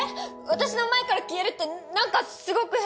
私の前から消えるってなんかすごく変！